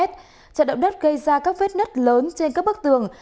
trận động đất gây ra các vết nứt lớn trên các bức tường